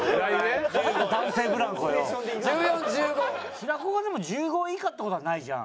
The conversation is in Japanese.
平子はでも１５位以下って事はないじゃん。